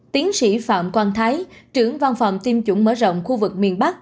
tiến sĩ phạm quang thái trưởng văn phòng tiêm chủng mở rộng khu vực miền bắc